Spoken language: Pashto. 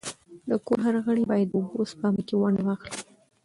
د کور هر غړی باید د اوبو سپما کي ونډه واخلي.